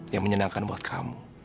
yang menyenangkan buat kamu